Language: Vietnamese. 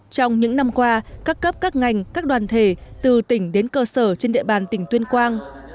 trong những năm qua các cấp các ngành các đoàn thể từ tỉnh đến cơ sở trên địa bàn tỉnh tuyên quang